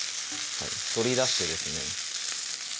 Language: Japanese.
取り出してですね